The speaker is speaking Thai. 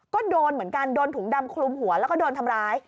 ก็โดนเหมือนกันโดนถุงดำคลุมหัวแล้วก็โดนทำร้าย